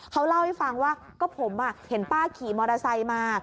เขาเล่าให้ฟังว่าก็ผมเห็นป้าขี่มอเตอร์ไซค์มา